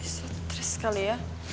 satu sekali ya